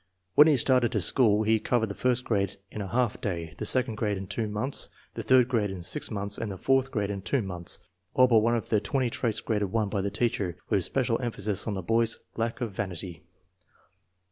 When he started to school he covered the first grade in a half day, the second grade in two months, the third grade in six months, and the fourth grade in two months. All but one of the twenty traits graded 1 by the teacher, with special emphasis on the boy's lack of vanity.